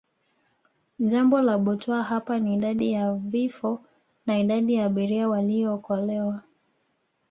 Jambo la butwaa hapa ni Idadi ya vifo na idadi ya abiria waliookolewa